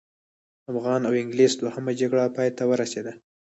افغان او انګلیس دوهمه جګړه پای ته ورسېده.